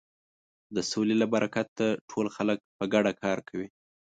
د سولې له برکته ټول خلک په ګډه کار کوي.